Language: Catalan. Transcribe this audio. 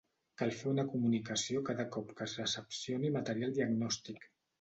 Cal fer una comunicació cada cop que es recepcioni material diagnòstic.